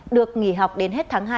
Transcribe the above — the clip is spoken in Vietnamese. được nghỉ học đến hết tháng hai